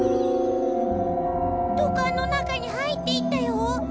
どかんのなかにはいっていったよ。